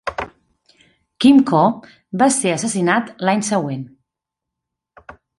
Kim Koo va ser assassinat l'any següent.